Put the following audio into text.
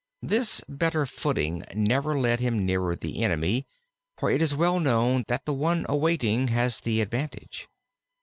This better footing never led him nearer the enemy, for it is well known that the one awaiting has the advantage.